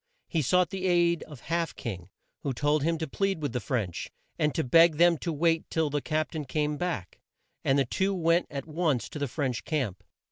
He sought the aid of Half King, who told him to plead with the French, and to beg them to wait till the Cap tain came back, and the two went at once to the French camp.